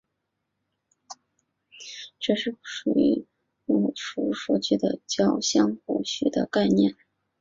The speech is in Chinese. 这是不同于需要用户输入数据的交互程序的概念。